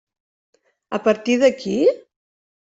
A partir d'aquí?